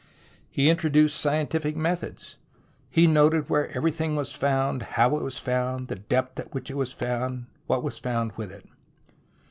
He introduced scientific methods. He noted where everything was found ; how it was found ; the depth at which it was found ; what was found with it.